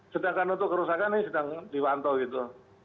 sedangkan untuk kerusakan ini sedang diwantau gitu